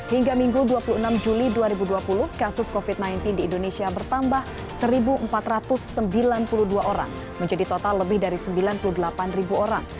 hingga minggu dua puluh enam juli dua ribu dua puluh kasus covid sembilan belas di indonesia bertambah satu empat ratus sembilan puluh dua orang menjadi total lebih dari sembilan puluh delapan orang